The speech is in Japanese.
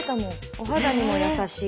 お肌にも優しい。